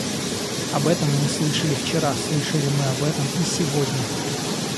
Об этом мы слышали вчера, слышали мы об этом и сегодня.